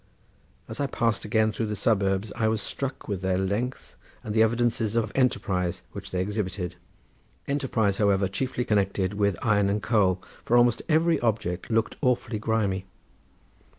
As I passed again through the suburbs I was struck with their length and the evidences of enterprise which they exhibited—enterprise, however, evidently chiefly connected with iron and coal, for almost every object looked awfully grimy.